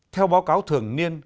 theo báo cáo thường niên